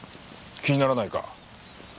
気にならないか？